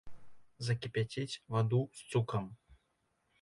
Закіпяціць ваду з цукрам.